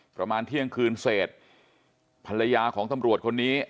ประมาณเที่ยงคืนเสร็จภรรยาของตำรวจคนนี้